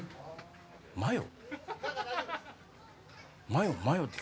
マヨ？